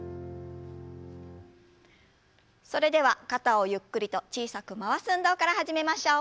それでは肩をゆっくりと小さく回す運動から始めましょう。